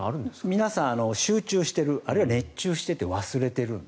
皆さん、集中してるあるいは熱中していて気付かない。